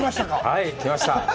はい、来ました。